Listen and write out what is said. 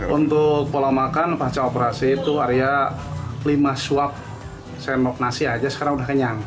untuk pola makan pasca operasi itu arya lima suap sendok nasi aja sekarang udah kenyang